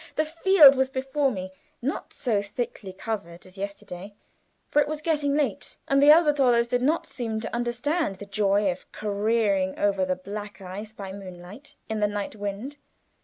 the field was before me not so thickly covered as yesterday, for it was getting late, and the Elberthalers did not seem to understand the joy of careering over the black ice by moonlight, in the night wind.